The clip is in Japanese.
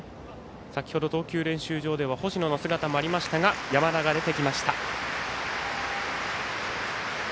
先程、投球練習場では星野の姿もありましたが山田が出てきました。